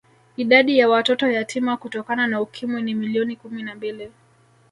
Idadi ya watoto yatima Kutokana na Ukimwi ni milioni kumi na mbili